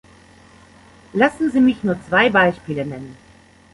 Lassen Sie mich nur zwei Beispiele nennen.